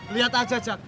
lihat aja jack